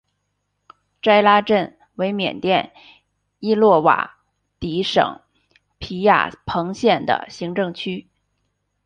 斋拉镇为缅甸伊洛瓦底省皮亚朋县的行政区。